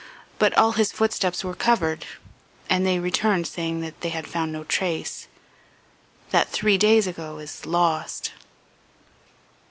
But all his footsteps were covered, and they returned saying that they had found no trace; that was three days ago... He is lost